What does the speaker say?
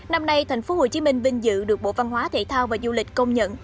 năm nay tp hcm vinh dự được bộ văn hóa thể thao và du lịch công nhận